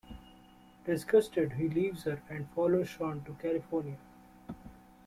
Disgusted, he leaves her and follows Sean to California.